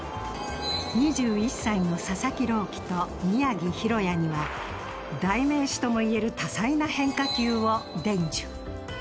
２１歳の佐々木朗希と宮城大弥には代名詞ともいえる多彩な変化球を伝授。